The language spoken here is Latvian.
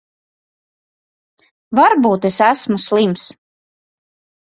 Varbūt es esmu slims.